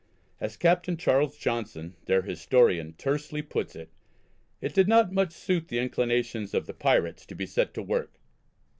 As Captain Charles Johnson, their historian, tersely puts it, "it did not much suit the inclinations of the Pirates to be set to work."